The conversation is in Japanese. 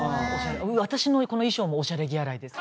私のこの衣装もおしゃれ着洗いです。